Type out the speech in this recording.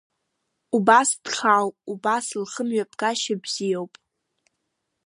Убас дхаауп, убас лхымҩаԥгашьа бзиоуп!